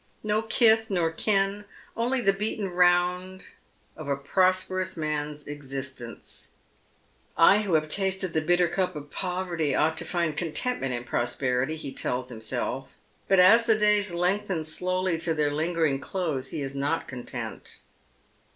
No kith nor kin, only the beaten round of a prosperous man's existence. " I who have tasted the bitter cup of poverty ought to find con tentment in prosperity," he tells himself ; but as the days lengthen slowly to their lingering close he is not content.